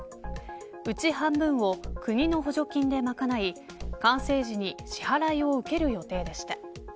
うち半分を国の補助金で賄い完成時に支払いを受ける予定でした。